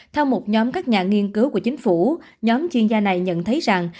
theo một nhóm các nhà nghiên cứu của chính phủ nhóm chuyên gia này nhận thấy rằng